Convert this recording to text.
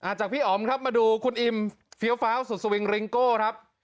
จากพี่อ๋อมครับมาดูคุณอิมเฟี้ยวฟ้าวสุดสวิงริงโก้ครับ